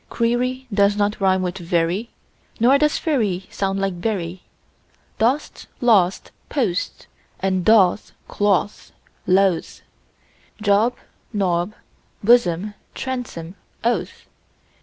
Query does not rime with very, Nor does fury sound like bury. Dost, lost, post and doth, cloth, loth; Job, Job, blossom, bosom, oath.